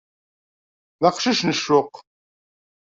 D aqcic n ccuq.